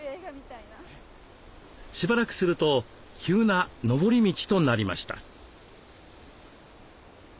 しばらくすると急なのぼり道となりました。